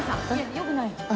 よくない。